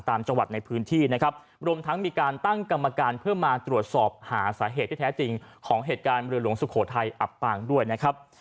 ตามจังหวัดในพื้นที่นะครับรวมทั้งมีการตั้งกรรมการเพื่อมาตรวจสอบหาสาเหตุที่แท้จริงของเหตุการณ์เรือหลวงสุโขทัยอับปางด้วยนะครับ